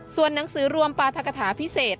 ส่วนหนังสือรวมปราธกฐาพิเศษ